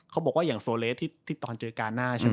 เขาบอกว่าอย่างโซเลสที่ตอนเจอกาหน้าใช่ไหม